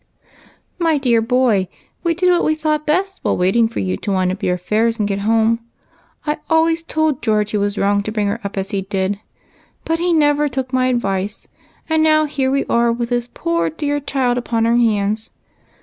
" My dear boy, we did what we thought best while waiting for you to wind up your affairs and get home. I always told George he was wrong to bring her up as he did ; but he never took m^^ advice and now here A UNTS. 39 we are with this poor dear child upon our hands.